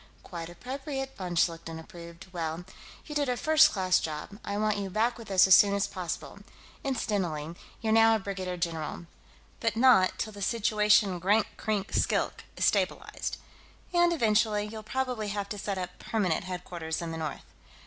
"Quite appropriate," von Schlichten approved. "Well, you did a first class job. I want you back with us as soon as possible incidentally, you're now a brigadier general but not till the situation at Grank Krink Skilk is stabilized. And, eventually, you'll probably have to set up permanent headquarters in the north."